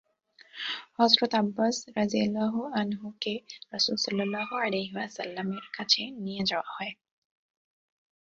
হযরত আব্বাস রাযিয়াল্লাহু আনহু-কে রাসূল সাল্লাল্লাহু আলাইহি ওয়াসাল্লাম-এর কাছে নিয়ে যাওয়া হয়।